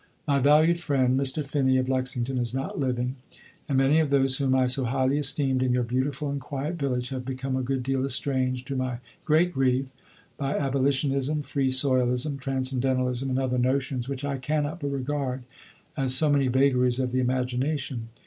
My valued friend, Mr. Phinney (of Lexington), is not living; and many of those whom I so highly esteemed, in your beautiful and quiet village, have become a good deal estranged, to my great grief, by abolitionism, free soilism, transcendentalism, and other notions, which I cannot (but) regard as so many vagaries of the imagination.